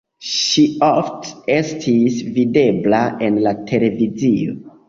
Ŝi ofte estis videbla en la televizio.